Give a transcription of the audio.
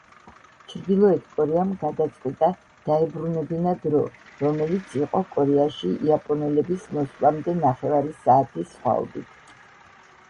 ჩრდილოეთ კორეამ გადაწყვიტა დაებრუნებინა დრო, რომელიც იყო კორეაში იაპონელების მოსვლამდე ნახევარი საათის სხვაობით.